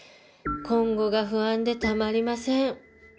今後が不安でたまりません